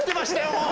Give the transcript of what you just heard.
もう！